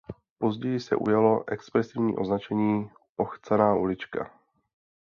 Později se ujalo expresivní označení "Pochcaná ulička".